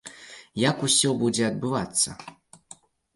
Як усё будзе адбывацца?